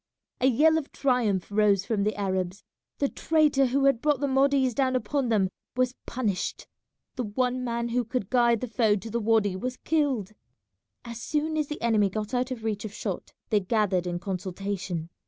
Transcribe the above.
A yell of triumph rose from the Arabs. The traitor who had brought the Mahdists down upon them was punished; the one man who could guide the foe to the wady was killed. As soon as the enemy got out of reach of shot they gathered in consultation.